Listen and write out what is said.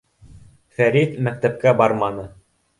Фәрит мәктәпкә барманы.